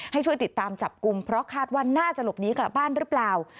ให้ช่วยติดตามจับกลุ่มเพราะคาดว่าน่าจะหลบหนีกลับบ้านหรือเปล่า